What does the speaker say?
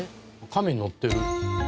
亀に乗ってる。